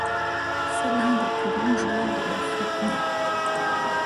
C'est l'un des plus grands joueurs de la flûte ney.